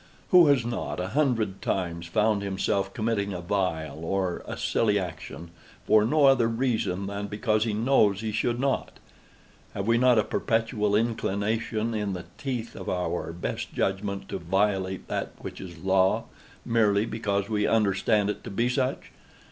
Who has not, a hundred times, found himself committing a vile or a silly action, for no other reason than because he knows he should not? Have we not a perpetual inclination, in the teeth of our best judgment, to violate that which is Law, merely because we understand it to be such?